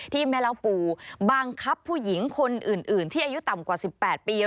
แม่เล่าปูบังคับผู้หญิงคนอื่นที่อายุต่ำกว่า๑๘ปี